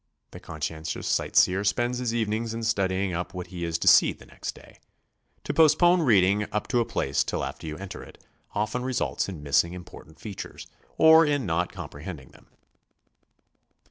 The conscientious sight seer spends his evenings in studying up what he is to see the next day. To postpone reading up a place till after you enter it, often results in miss ing important features, or in not comprehending them.